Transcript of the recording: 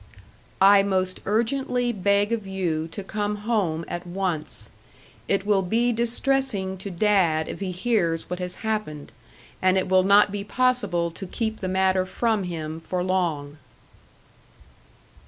"I most urgently beg of you to come home at once. It will be distressing to Dad if he hears what has happened, and it will not be possible to keep the matter from him for long."